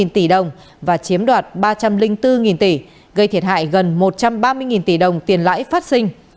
năm trăm bốn mươi năm tỷ đồng và chiếm đoạt ba trăm linh bốn tỷ gây thiệt hại gần một trăm ba mươi tỷ đồng tiền lãi phát sinh